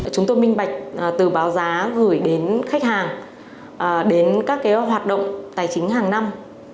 chúng tôi minh bạch từ báo giá gửi đến khách hàng đến các hoạt động tài chính hàng năm